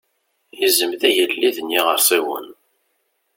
Izem d agellid n yiɣersiwen.